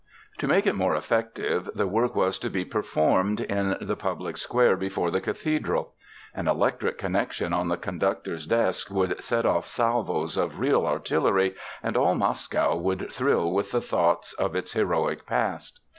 To make it more effective, the work was to be performed in the public square before the cathedral. An electric connection on the conductor's desk would set off salvos of real artillery, and all Moscow would thrill with thoughts of its heroic past.